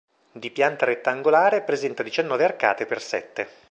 Di pianta rettangolare, presenta diciannove arcate per sette.